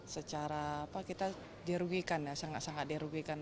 secara kita dirugikan sangat sangat dirugikan